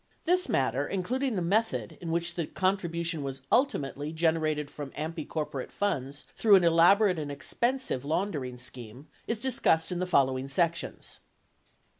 This matter, including the method in which the contribution was ultimately generated from AMPI corporate funds through an elaborate and expensive laundering scheme, is discussed in the following sections.